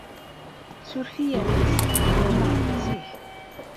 Ssuref-iyi a Mass. Ad neɣleq zik.